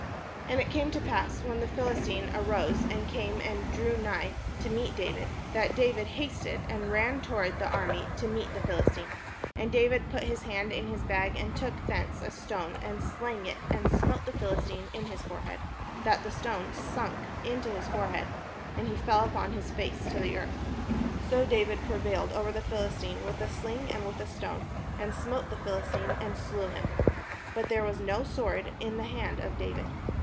And it came to pass, when the Philistine arose and came and drew nigh to meet David, that David hasted, and ran toward the army to meet the Philistine. And David put his hand in his bag, and took thence a stone, and slang it, and smote the Philistine in his forehead, that the stone sunk into his forehead ; and he fell upon his face to the earth. So David prevailed over the Philistine with a sling and with a stone, and smote the Philistine, and slew him; but there was no sword in the hand of David.